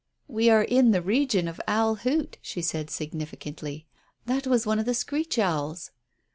"We are in the region of Owl Hoot," she said significantly. "That was one of the screech owls."